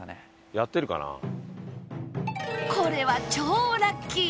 これは超ラッキー！